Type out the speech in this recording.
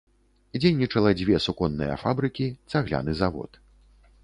Дзейнічала дзве суконныя фабрыкі, цагляны завод.